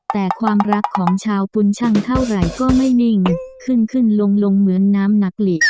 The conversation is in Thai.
แต่ความรักของชาวกุญชั่งเท่าไหร่ก็ไม่นิ่งขึ้นขึ้นลงลงเหมือนน้ำหนักหลี